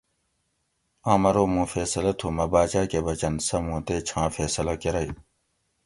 آم ارو موں فیصلہ تھو مہ باچاۤ کہ بچنت سہ مُوں تے چھاں فیصلہ کۤرئی